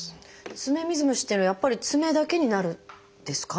爪水虫っていうのはやっぱり爪だけになるんですか？